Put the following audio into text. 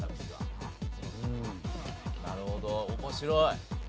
なるほど面白い。